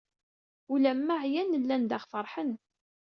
Ula ma ɛyan, llan daɣ feṛḥen.